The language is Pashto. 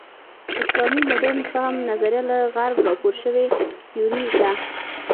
اسلامي مډرن فهم نظریه له غرب راپور شوې تیوري ده.